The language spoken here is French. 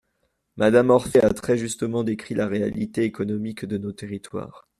Madame Orphé a très justement décrit la réalité économique de nos territoires.